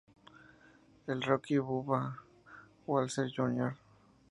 El rookie Bubba Wallace Jr.